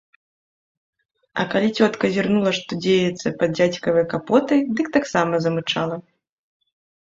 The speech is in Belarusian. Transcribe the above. А калі цётка зірнула, што дзеецца пад дзядзькавай капотай, дык таксама замычала.